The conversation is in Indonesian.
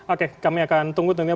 oke kami akan tunggu tentunya